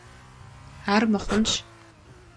Ар мыхъунщ.